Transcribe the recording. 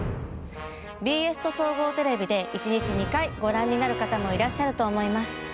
ＢＳと総合テレビで１日２回ご覧になる方もいらっしゃると思います。